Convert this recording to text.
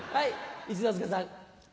一之輔さん。